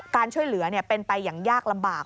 การช่วยเหลือเป็นไปอย่างยากลำบาก